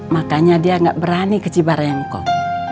makanya dia nggak berani kecibara engkau